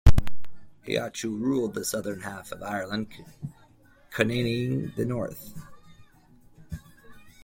Eochu ruled the southern half of Ireland, Conaing the north.